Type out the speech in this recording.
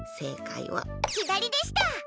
左でした。